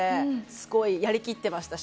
すごいやりきってましたし。